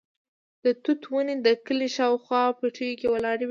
د توت ونې د کلي شاوخوا پټیو کې ولاړې وې.